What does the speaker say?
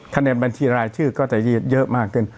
แนนบัญชีรายชื่อก็จะยืดเยอะมากขึ้น